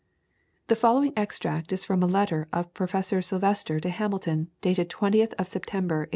The following extract is from a letter of Professor Sylvester to Hamilton, dated 20th of September, 1841.